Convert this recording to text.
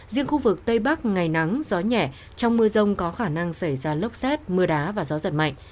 riêng khu vực tây bắc ngày nắng gió nhẹ trong mưa rông có khả năng xảy ra lốc xét mưa đá và gió giật mạnh